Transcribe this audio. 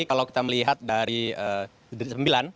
kalau kita melihat dari sembilan